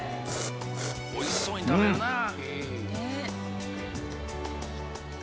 おいしそうに食べるなぁ。